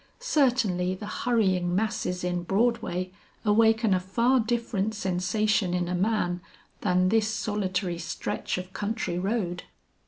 Certainly the hurrying masses in Broadway awaken a far different sensation in a man, than this solitary stretch of country road."